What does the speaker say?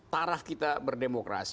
tarah kita berdemokrasi